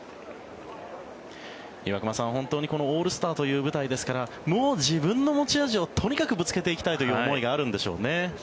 岩隈さん、本当にオールスターという舞台ですからもう自分の持ち味をとにかくぶつけていきたいという思いがあるんでしょうね。